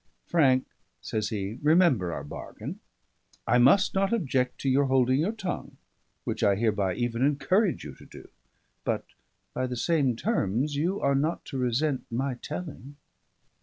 "Frank," says he, "remember our bargain. I must not object to your holding your tongue, which I hereby even encourage you to do; but, by the same terms, you are not to resent my telling."